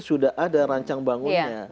sudah ada rancang bangunnya